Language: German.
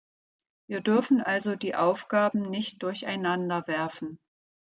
Wir dürfen also die Aufgaben nicht durcheinanderwerfen.